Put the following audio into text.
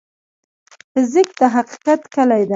فزیک د حقیقت کلي ده.